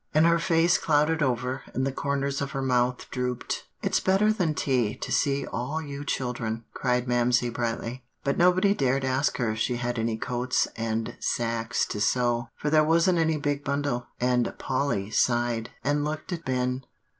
and her face clouded over, and the corners of her mouth drooped. "It's better than tea, to see all you children," cried Mamsie brightly. But nobody dared ask her if she had any coats and sacks to sew; for there wasn't any big bundle, and Polly sighed and looked at Ben.